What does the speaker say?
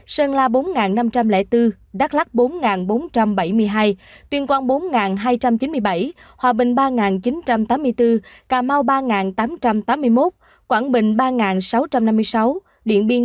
sơn la bốn năm trăm linh bốn đắk lắc bốn bốn trăm bảy mươi hai tuyên quang bốn hai trăm chín mươi bảy hòa bình ba chín trăm tám mươi bốn cà mau ba tám trăm tám mươi một quảng bình ba sáu trăm năm mươi sáu điện biên